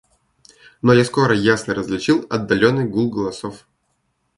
Но я скоро ясно различил отдаленный гул голосов.